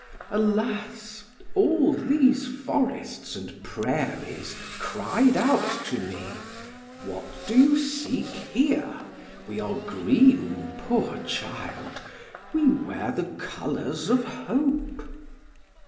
Alas! all these forests and prairies cried to me: "What do you seek here? We are green, poor child, we wear the colors of hope."